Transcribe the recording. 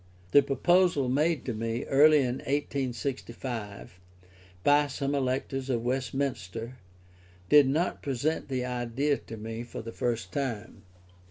The proposal made to me, early in 1865, by some electors of Westminster, did not present the idea to me for the first time.